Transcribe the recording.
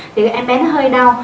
thì em bé nó hơi đau